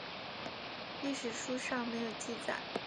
李历史书上没有记载。